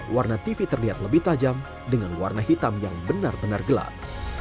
warna tv terlihat lebih tajam dengan warna hitam yang benar benar gelap